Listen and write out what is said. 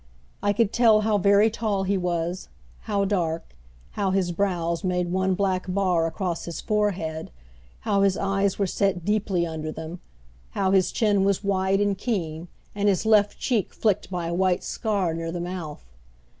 I could tell how very tall he was, how dark, how his brows made one black bar across his forehead, how his eyes were set deeply under them, how his chin was wide and keen and his left cheek flicked by a white scar near the mouth.